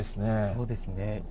そうですね。